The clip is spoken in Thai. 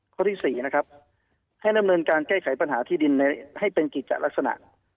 ข้อที่๔นะครับให้ดำเนินการแก้ไขปัญหาที่ดินให้เป็นกิจลักษณะ